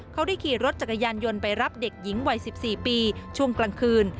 เขาได้ขี่รถจักรยานยนต์ไปรับเด็กหญิงวัย๑๔ปีช่วงกลางคืน